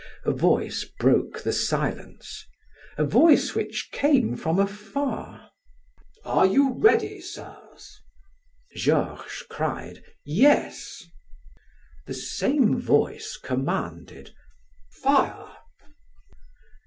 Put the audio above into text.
A voice broke the silence a voice which came from afar: "Are you ready, sirs?" Georges cried: "Yes." The same voice commanded: "Fire!"